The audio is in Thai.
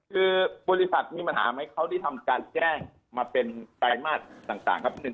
คือบริษัทมีปัญหาไหมเขาได้ทำการแจ้งมาเป็นไตรมาสต่างครับ